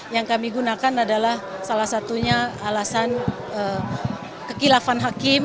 yang kami gunakan adalah salah satunya alasan kekilafan hakim